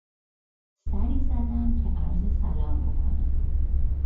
سری زدم که عرض سلام بکنم!